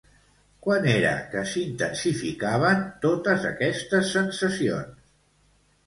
Quan era que s'intensificaven totes aquestes sensacions?